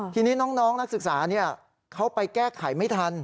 ทีนี้น้องนักศึกษาเขาไปแก้ไขไม่ทัน